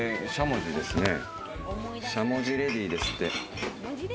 しゃもじレディーですって。